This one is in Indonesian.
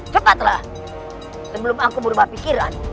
cepatlah sebelum aku berubah pikiran